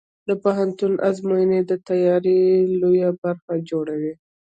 د پوهنتون ازموینې د تیاری لویه برخه جوړوي.